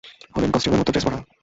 Halloween কাস্টিউমের মতো dress পড়া।